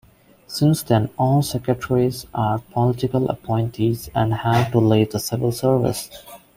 Since then all secretaries are political appointees and have to leave the civil service.